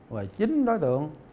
rồi chính đối tượng